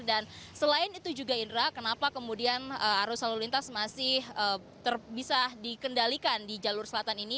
dan selain itu juga indra kenapa kemudian arus lalu lintas masih bisa dikendalikan di jalur selatan ini